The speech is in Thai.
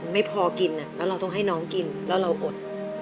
ไม่พอกินแล้วเราต้องให้น้องกินแล้วเราอด